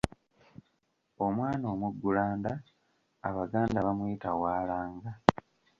Omwana omuggulanda abaganda bamuyita waalanga.